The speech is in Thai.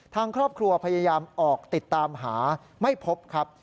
ทางครอบครัวพยายามออกติดตามหาไม่พบครับ